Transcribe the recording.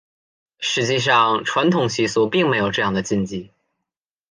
事实上传统习俗并没有这样的禁忌。